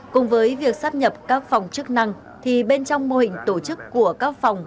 cùng với việc sắp nhập các phòng chức năng thì bên trong mô hình tổ chức của các phòng